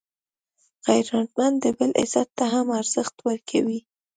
غیرتمند د بل عزت ته هم ارزښت ورکوي